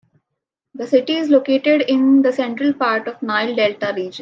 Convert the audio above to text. The city is located in the central part of the Nile Delta region.